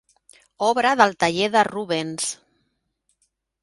Obra del taller de Rubens.